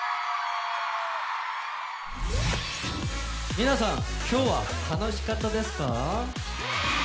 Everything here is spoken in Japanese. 皆さん今日は楽しかったですか？